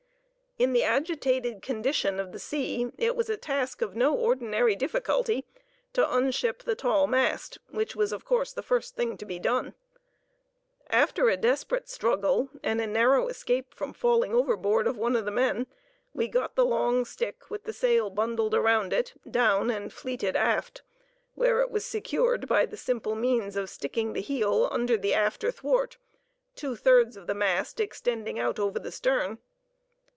In the agitated condition of the sea, it was a task of no ordinary difficulty to unship the tall mast, which was of course the first thing to be done. After a desperate struggle, and a narrow escape from falling overboard of one of the men, we got the long "stick," with the sail bundled around it, down and "fleeted" aft, where it was secured by the simple means of sticking the "heel" under the after thwart, two thirds of the mast extending out over the stern.